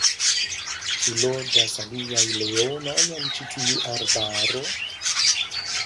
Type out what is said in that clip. Ĉu loĝas aliaj leonoj en ĉi tiu arbaro?